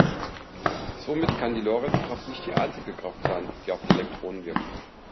Somit kann die Lorentzkraft nicht die einzige Kraft sein, die auf die Elektronen wirkt.